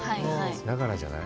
だからじゃない？